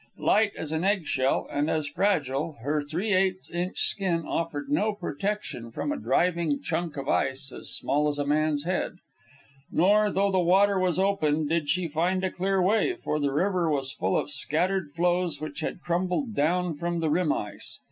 Light as an egg shell, and as fragile, her three eighths inch skin offered no protection from a driving chunk of ice as small as a man's head. Nor, though the water was open, did she find a clear way, for the river was full of scattered floes which had crumbled down from the rim ice.